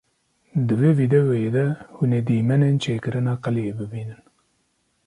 Di vê vîdyoyê de hûn ê dîmenên çêkirina qeliyê bibînin.